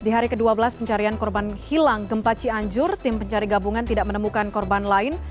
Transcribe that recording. di hari ke dua belas pencarian korban hilang gempa cianjur tim pencari gabungan tidak menemukan korban lain